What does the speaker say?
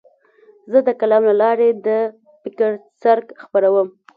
زه د خپل قلم له لارې د فکر څرک خپروم.